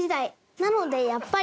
なのでやっぱり。